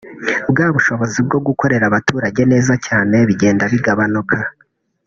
bwa bushobozi bwo gukorera abaturage neza cyane bigenda bigabanuka